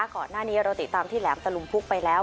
ก่อนหน้านี้เราติดตามที่แหลมตะลุมพุกไปแล้ว